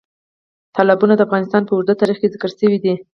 تالابونه د افغانستان په اوږده تاریخ کې ذکر شوی دی.